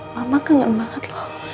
mama kangen banget